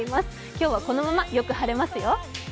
今日はこのままよく晴れますよ。